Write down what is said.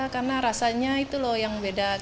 karena rasanya itu loh yang beda